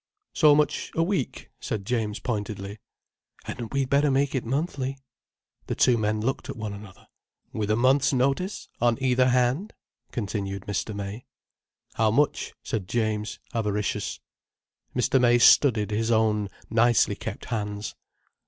"So much a week?" said James pointedly. "Hadn't we better make it monthly?" The two men looked at one another. "With a month's notice on either hand?" continued Mr. May. "How much?" said James, avaricious. Mr. May studied his own nicely kept hands.